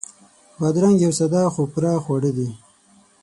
بادرنګ یو ساده خو پوره خواړه دي.